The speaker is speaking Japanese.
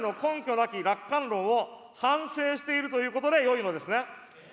なき楽観論を反省しているということでよいのですね。